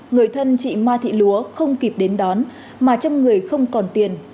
người thân chị ma thị lúa không kịp đến đón mà trong người không còn tiền